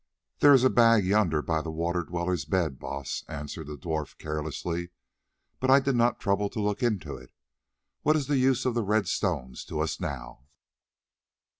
"There is a bag yonder by the Water Dweller's bed, Baas," answered the dwarf carelessly, "but I did not trouble to look into it. What is the use of the red stones to us now?"